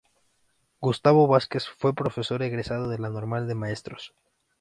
Gustavo Vázquez fue Profesor egresado de la Normal de Maestros.